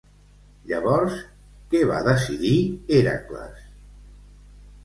Llavors, que va decidir Hèracles?